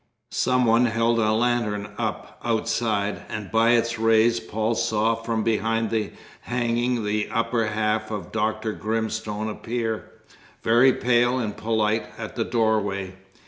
Some one held a lantern up outside, and by its rays Paul saw from behind the hanging the upper half of Dr. Grimstone appear, very pale and polite, at the doorway.